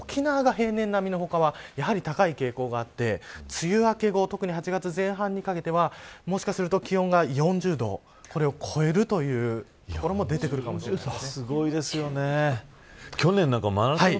沖縄が平年並みの他はやはり高い傾向があって梅雨明け後特に８月前半にかけてはもしかすると気温が４０度、これを超える所も出てくるかもしれません。